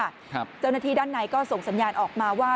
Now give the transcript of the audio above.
เจ้าหน้าที่ด้านในก็ส่งสัญญาณออกมาว่า